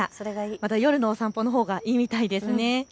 まだ夜のお散歩のほうがいいみたいですね。